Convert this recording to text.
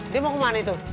dia mau kemana itu